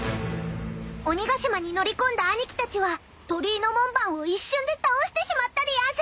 ［鬼ヶ島に乗り込んだ兄貴たちは鳥居の門番を一瞬で倒してしまったでやんす］